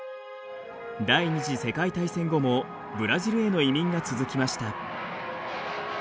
第二次世界大戦後もブラジルへの移民が続きました。